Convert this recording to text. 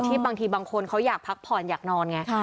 บางทีบางคนเขาอยากพักผ่อนอยากนอนไง